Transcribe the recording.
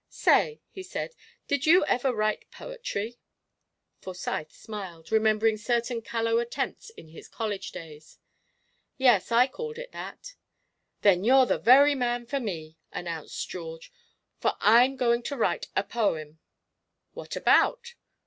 "Say," he said, "did you ever write poetry?" Forsyth smiled, remembering certain callow attempts in his college days. "Yes, I called it that." "Then you're the very man for me," announced George, "for I'm going to write a poem!" "What about?"